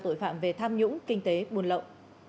tội phạm về tham nhũng kinh tế buôn lậu